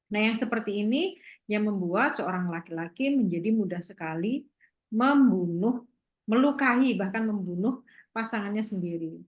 nah yang seperti ini yang membuat seorang laki laki menjadi mudah sekali membunuh melukai bahkan membunuh pasangannya sendiri